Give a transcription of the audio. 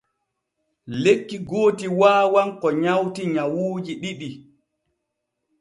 Lekki gooti waawan ko nywati nyawuuji ɗiɗi.